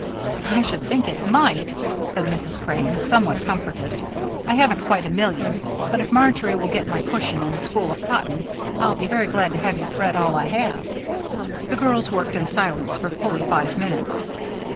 "I should think it might," said Mrs. Crane, somewhat comforted. "I haven't quite a million, but if Marjory will get my cushion and a spool of cotton I'll be very glad to have you thread all I have." The girls worked in silence for fully five minutes.